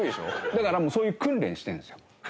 だからそういう訓練してるんですよ。